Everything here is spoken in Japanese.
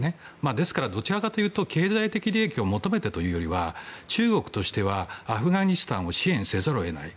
ですから、どちらかというと経済的利益を求めてというよりは中国としてはアフガニスタンを支援せざるを得ない。